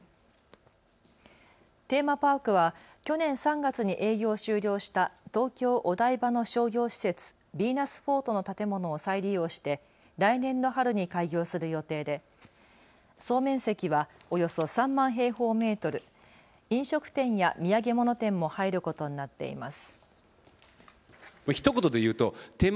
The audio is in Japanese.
テーマパークは去年３月に営業を終了した東京お台場の商業施設、ヴィーナスフォートの建物を再利用して来年の春に開業する予定で総面積はおよそ３万平方メートル、飲食店や土産物店も入ることになっています。